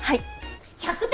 １００点。